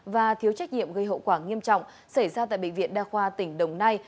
và thiếu trách nhiệm gây hậu quả nghiêm trọng xảy ra tại bệnh viện đa khoa tỉnh đồng nai